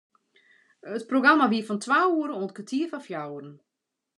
It programma wie fan twa oere oant kertier foar fjouweren.